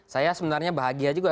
saya sebenarnya bahagia juga